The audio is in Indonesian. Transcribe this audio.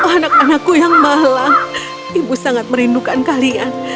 anak anakku yang malang ibu sangat merindukan kalian